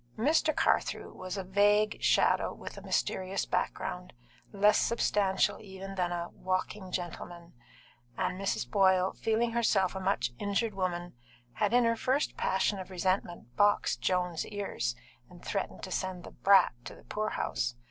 Mr. Carthew was a vague shadow in a mysterious background, less substantial even than a "walking gentleman," and Mrs. Boyle, feeling herself a much injured woman, had in her first passion of resentment boxed Joan's ears and threatened to send the "brat" to the poorhouse.